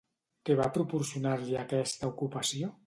Què va proporcionar-li aquesta ocupació?